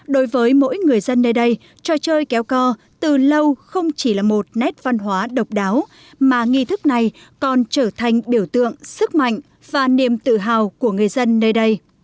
đối với mỗi người dân nơi đây trò chơi kéo co từ lâu không chỉ là một nét văn hóa độc đáo mà nghi thức này còn trở thành biểu tượng sức mạnh và niềm tự hào của người dân nơi đây